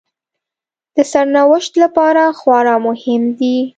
د سرنوشت لپاره خورا مهم دي